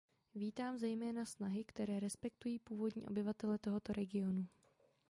Vítám zejména snahy, které respektují původní obyvatele tohoto regionu.